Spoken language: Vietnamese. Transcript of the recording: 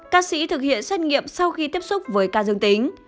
ca sĩ thực hiện xét nghiệm sau khi tiếp xúc với ca sĩ